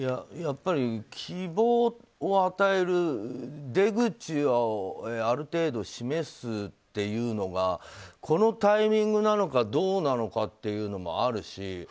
やっぱり希望を与える出口をある程度示すというのがこのタイミングなのかどうなのかっていうのもあるし